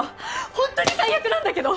ほんとに最悪なんだけど！